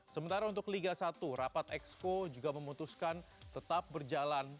sementara untuk liga satu rapat exco juga memutuskan tetap berjalan